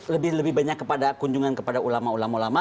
lebih banyak kunjungan kepada ulama ulama